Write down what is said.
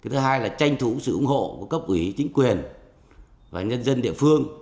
thứ hai là tranh thủ sự ủng hộ của cấp ủy chính quyền và nhân dân địa phương